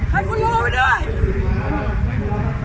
ให้คุณรู้ด้วย